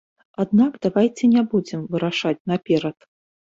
Аднак давайце не будзем вырашаць наперад.